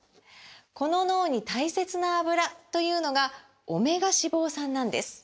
この脳に大切なアブラというのがオメガ脂肪酸なんです！